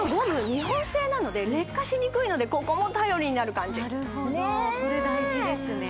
日本製なので劣化しにくいのでここも頼りになる感じなるほどそれ大事ですね